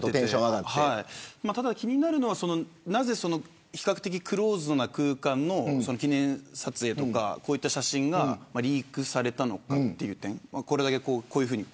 ただ気になるのはなぜ比較的クローズドな空間の記念撮影とかこういった写真がリークされたのかという点。